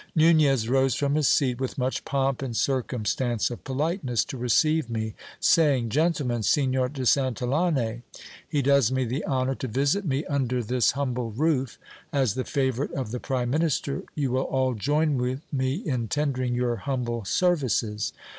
Nunez rose from his seat with much pomp and circumstance of politeness to receive me, saying : Gentlemen, Signor de Santil lane ! He does me the honour to visit me under this humble roof ; as the favourite of the prime minister, you will all join with me in tendering your humble services.